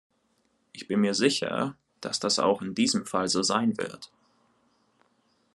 Ich bin mir sicher, dass das auch in diesem Fall so sein wird.